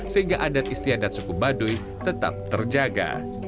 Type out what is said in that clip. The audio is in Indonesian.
sehingga adat istiadat suku baduy tetap terjaga